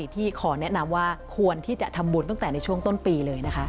ที่ขอแนะนำว่าควรที่จะทำบุญตั้งแต่ในช่วงต้นปีเลยนะคะ